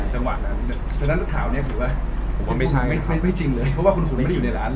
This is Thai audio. เพราะฉะนั้นข่าวนี้คือว่าไม่จริงเลยเพราะว่าคุณหุ่นไม่ได้อยู่ในร้านเลย